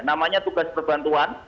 namanya tugas perbantuan